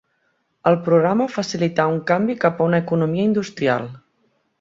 El programa facilità un canvi cap a una economia industrial.